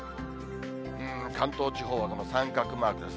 関東地方も三角マークです。